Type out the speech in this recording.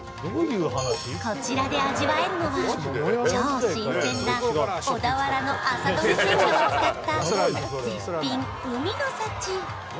こちらで味わえるのは超新鮮な小田原な朝どれ鮮魚を使った絶品海の幸。